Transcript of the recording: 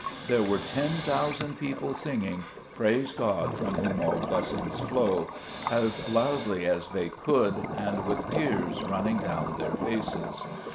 " There were ten thousand people singing ■ Praise God from whom all blessings flow ' as loudly as they could, and with tears running down their faces.